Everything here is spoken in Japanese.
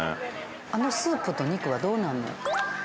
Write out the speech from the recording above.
あのスープと肉はどうなんの？